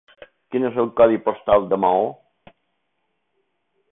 Quin és el codi postal de Maó?